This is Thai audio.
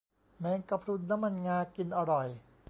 แมงกะพรุนน้ำมันงา กินอร่อย